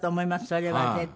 それは絶対。